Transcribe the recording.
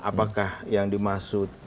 apakah yang dimasuk